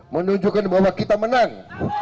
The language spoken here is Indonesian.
menunjukkan bahwa kita menang